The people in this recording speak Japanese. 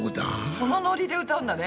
そのノリで歌うんだね。